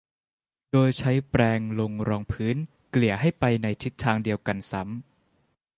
โดยใช้แปรงลงรองพื้นเกลี่ยให้ไปในทิศทางเดียวกันซ้ำ